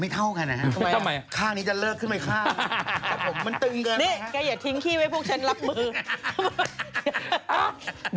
ไปดูแบบยนต์ยนต์ลงนิดหนึ่งไปเลย